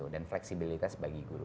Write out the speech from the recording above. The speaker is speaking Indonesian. dan fleksibilitas bagi guru